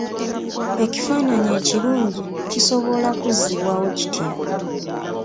Ekifaananyi ekirungi kisobola kuzzibwawo kitya?